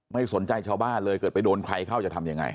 ไม่สนใจชาวบ้านเลยเกิดไปโดนใครเข้าจะทำยังไง